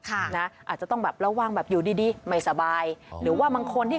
นะอาจจะต้องแบบระวังแบบอยู่ดีดีไม่สบายหรือว่าบางคนที่